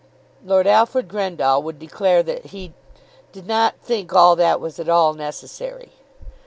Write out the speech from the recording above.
Lord Alfred Grendall would declare that he "did not think all that was at all necessary."